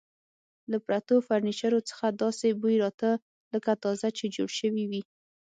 له پرتو فرنیچرو څخه داسې بوی راته، لکه تازه چې جوړ شوي وي.